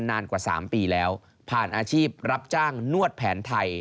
นานกว่า๓ปีแล้วผ่านอาชีพรับจ้างนวดแผนไทย